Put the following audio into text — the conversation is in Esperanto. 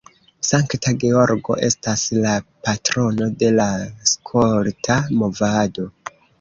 Sankta Georgo estas la patrono de la skolta movado.